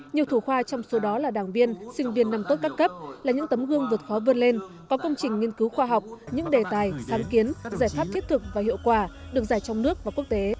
nhiều thủ khoa trong số đó là đảng viên sinh viên năm tốt các cấp là những tấm gương vượt khó vươn lên có công trình nghiên cứu khoa học những đề tài sáng kiến giải pháp thiết thực và hiệu quả được giải trong nước và quốc tế